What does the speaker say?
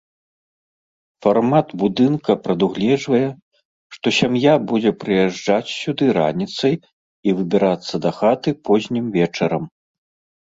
Фармат будынка прадугледжвае, што сям'я будзе прыязджаць сюды раніцай і выбірацца дахаты познім вечарам.